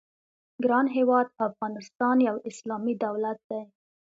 ګران هېواد افغانستان یو اسلامي دولت دی.